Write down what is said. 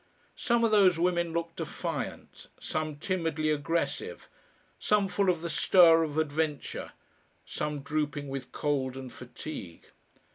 Some of those women looked defiant, some timidly aggressive, some full of the stir of adventure, some drooping with cold and fatigue.